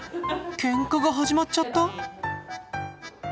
ケンカが始まっちゃった！？